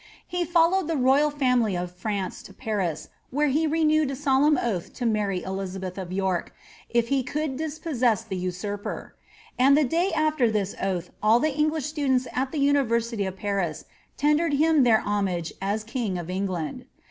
He followed the royal family of France to Paris, where he renewed a solemn oath to marry Elizabeth of York, if he could dispossess the usurper ; and the day after this oath all the English students at the university of Paris tendered him their ho mage as king of England.'